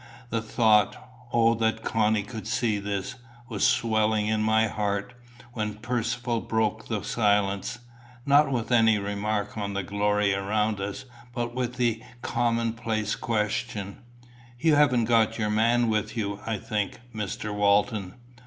The thought, "O that Connie could see this!" was swelling in my heart, when Percivale broke the silence not with any remark on the glory around us, but with the commonplace question "You haven't got your man with you, I think, Mr. Walton?"